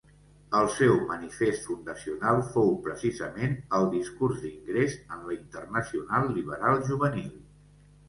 El seu manifest fundacional fou, precisament, el discurs d'ingrés en la Internacional Liberal Juvenil.